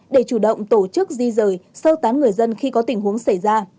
để chủ động tổ chức di rời sơ tán người dân khi có tình huống xảy ra